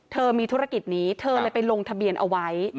มีธุรกิจนี้เธอเลยไปลงทะเบียนเอาไว้